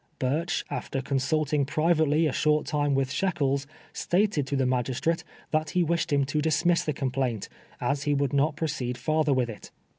Burch, after consulting privately a short time with Shekels, stated to the magistrate that he wished hini to dismiss the complaint, as he would not proceed farther with it.